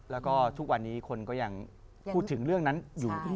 แล้วก็ทุกวันนี้คนก็ยังพูดถึงเรื่องนั้นอยู่